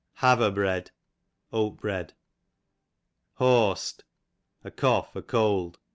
Haver bread, oat bread. Haust, a cough, a cold.